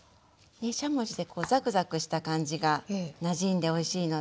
でしゃもじでこうザクザクした感じがなじんでおいしいので。